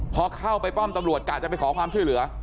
พอเข้าไปป้อมตำรวจกะจะไปขอความช่วยเหลือ